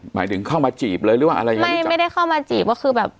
หมายถึงเข้ามาจีบเลยหรือว่าอะไรยังไงไม่ไม่ได้เข้ามาจีบก็คือแบบ